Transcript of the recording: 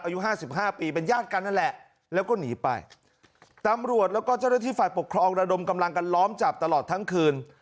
อายุห้าสิบห้าปีเป็นญาติกันนั่นแหละแล้วก็หนีไปตำรวจแล้วก็เจ้าหน้าที่ฝ่ายปกครองระดมกำลังกันล้อมจับตลอดทั้งคืน